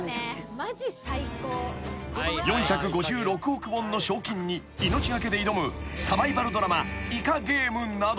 ［４５６億ウォンの賞金に命懸けで挑むサバイバルドラマ『イカゲーム』など］